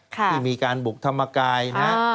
ที่มีการบุกธรรมกายนะ